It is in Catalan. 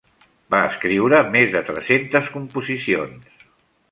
Va escriure més de tres-centes composicions.